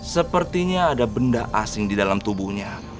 sepertinya ada benda asing di dalam tubuhnya